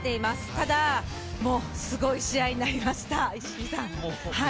ただ、すごい試合になりました、石井さん。